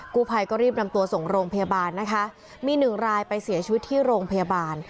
กู้ภัยก็รีบนำตัวส่งโรงพยาบาลนะคะมีหนึ่งรายไปเสียชีวิตที่โรงพยาบาล